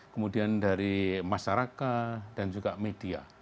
kemudian dari masyarakat dan juga media